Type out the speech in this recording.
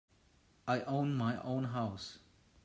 I own my own house.